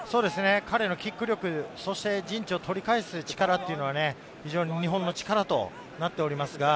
彼のキック力、陣地を取り返す力は非常に日本の力となっています。